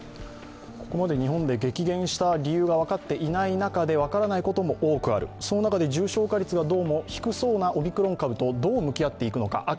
ここまで日本が激減した理由が分かっていない中で分からないことも多くある、その中で重症化率がどうも低そうなオミクロン株とどう向き合っていくのか。